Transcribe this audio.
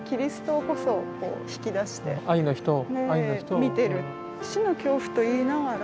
見てる。